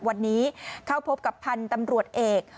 วันนี้เข้าพบกับพันธุ์ตำรวจเอก